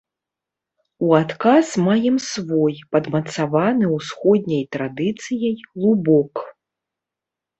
У адказ маем свой, падмацаваны усходняй традыцыяй, лубок.